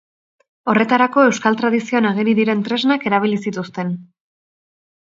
Horretarako euskal tradizioan ageri diren tresnak erabili zituzten.